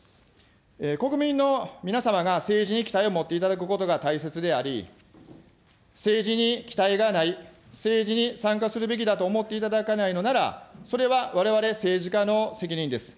国民の皆様が政治に期待を持っていただくことが大切であり、政治に期待がない、政治に参加するべきだと思っていただかないのなら、それはわれわれ、政治家の責任です。